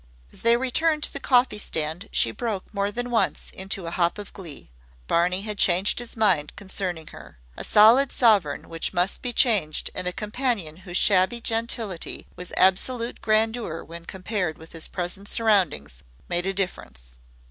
As they returned to the coffee stand she broke more than once into a hop of glee. Barney had changed his mind concerning her. A solid sovereign which must be changed and a companion whose shabby gentility was absolute grandeur when compared with his present surroundings made a difference.